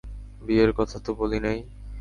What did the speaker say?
বিয়ের কথা তো বলি নাই?